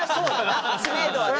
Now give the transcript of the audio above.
知名度はね。